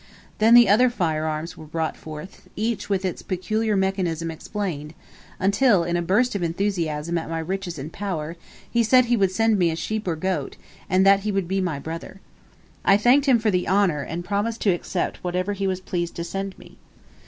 Then the other firearms were brought forth, each with its peculiar mechanism explained, until, in, a burst of enthusiasm at my riches and power, he said he would send me a sheep or goat, and that he would be my brother. I thanked him for the honour, and promised to accept whatever he was pleased to send me.